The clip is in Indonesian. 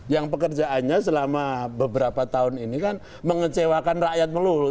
yang pekerjaannya selama beberapa tahun ini kan mengecewakan rakyat melulu